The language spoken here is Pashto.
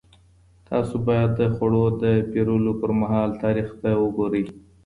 تاسو باید د خوړو د پېرلو پر مهال تاریخ ته وګورئ.